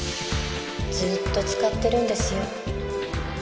ずっと使ってるんですよ。